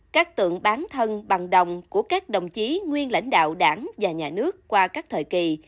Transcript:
các tượng bán thân bằng đồng của các đồng chí nguyên lãnh đạo đảng và nhà nước qua các thời kỳ